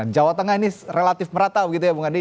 jawa tengah ini relatif merata begitu ya bung andi